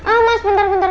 ah mas bentar bentar